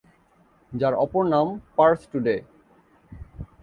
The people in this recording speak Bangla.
যার অপর নাম পার্স টুডে।